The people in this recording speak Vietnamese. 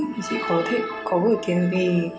thì chị có thể có gửi tiền về